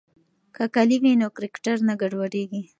که کالي وي نو کرکټر نه ګډوډیږي.